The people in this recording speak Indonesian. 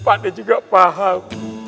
pakda juga paham